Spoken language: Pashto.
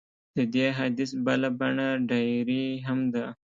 د دې حدیث بله بڼه ډایري هم ده.